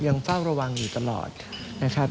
เฝ้าระวังอยู่ตลอดนะครับ